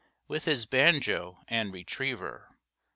With his banjo and retriever.